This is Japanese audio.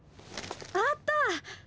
あった！